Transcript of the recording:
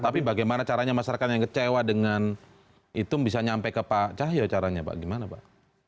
tapi bagaimana caranya masyarakat yang kecewa dengan itu bisa nyampe ke pak cahyo caranya pak gimana pak